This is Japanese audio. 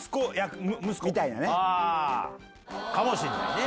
かもしれないね。